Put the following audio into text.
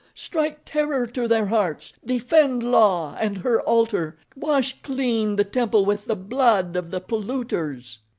Strike terror to their hearts; defend La and her altar; wash clean the temple with the blood of the polluters."